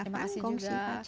terima kasih juga